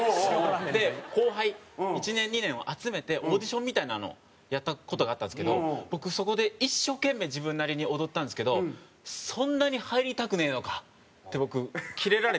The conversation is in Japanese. で後輩１年２年を集めてオーディションみたいなのをやった事があったんですけど僕そこで一生懸命自分なりに踊ったんですけど「そんなに入りたくねえのか」って僕キレられちゃって。